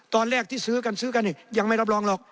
ตอนแรกที่ซื้อกันซื้อกันยังไม่รับรองหรอก